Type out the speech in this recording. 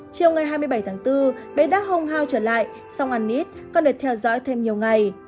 chiều ngày hai mươi bảy tháng bốn bé đã hồng hao trở lại xong ăn nít còn được theo dõi thêm nhiều ngày